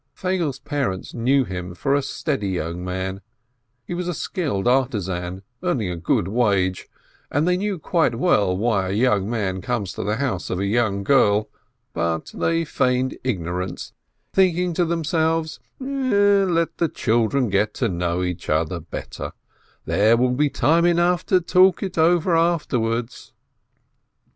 Feigele's parents knew him for a steady young man, he was a skilled artisan earning a good wage, and they knew quite well why a young man comes to the home 498 ASCH of a young girl, but they feigned ignorance, thinking to themselves, "Let the children get to know each other better, there will be time enough to talk it over after wards."